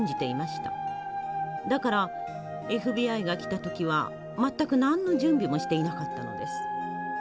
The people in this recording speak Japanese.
だからＦＢＩが来た時は全く何の準備もしていなかったのです。